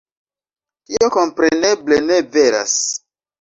Tio kompreneble ne veras.